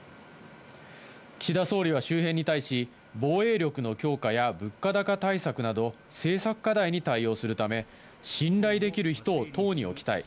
岸田総理は周辺に対し、防衛力の強化や物価高対策など、政策課題に対応するため、信頼できる人を党に置きたい。